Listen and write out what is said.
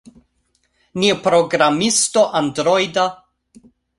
Nia programisto Androida